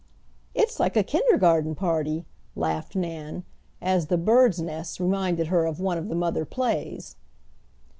"It's like a kindergarten party," laughed Nan, as the "birds' nests" reminded her of one of the mother plays.